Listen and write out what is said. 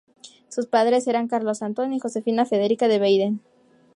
Sus padres eran Carlos Antonio y Josefina Federica de Baden.